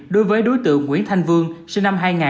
đối với đối tượng nguyễn thanh vương sinh năm hai nghìn